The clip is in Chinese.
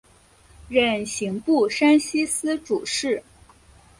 任刑部山西司主事。